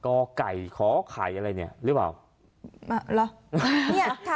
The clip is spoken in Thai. กไก่ขอไข่อะไรเนี่ยหรือเปล่าเนี่ยค่ะ